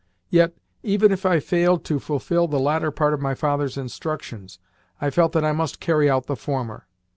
Yet, even if I failed to fulfil the latter part of my father's instructions, I felt that I must carry out the former.